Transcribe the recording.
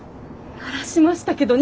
鳴らしましたけど？